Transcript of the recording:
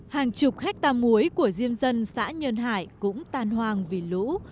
hàng chục hecta muối của diêm dân xã nhân hải cũng tan hoang vì lũ